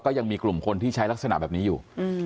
ก็ยังมีกลุ่มคนที่ใช้ลักษณะแบบนี้อยู่